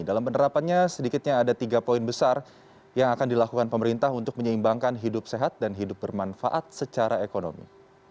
dalam penerapannya sedikitnya ada tiga poin besar yang akan dilakukan pemerintah untuk menyeimbangkan hidup sehat dan hidup bermanfaat secara ekonomi